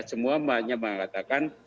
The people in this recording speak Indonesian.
semua hanya mengatakan